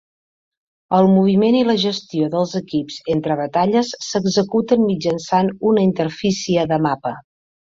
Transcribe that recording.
El moviment i la gestió dels equips entre batalles s'executen mitjançant una interfície de mapa.